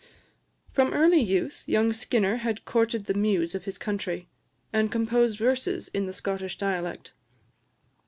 From early youth, young Skinner had courted the Muse of his country, and composed verses in the Scottish dialect.